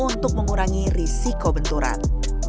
untuk mengurangi risiko benturan